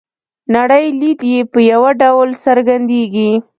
نړۍ لید یې په یوه ډول څرګندیږي.